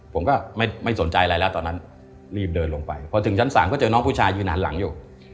ผมก็ไม่สนใจอะไรแล้วตอนนั้นรีบเดินลงไปพอถึงชั้น๓ก็เจอน้องผู้ชายยืนหันหลังอยู่